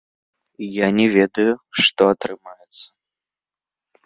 Я не ведаю, што атрымаецца.